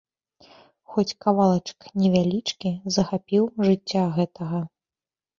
Хоць кавалачак невялічкі захапіў жыцця гэтага.